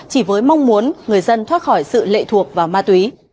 chỉ với mong muốn người dân thoát khỏi sự lệ thuộc vào ma túy